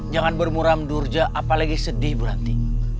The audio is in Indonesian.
jangan bermuram durja apalagi sedih bu ranti